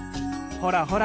ほらほら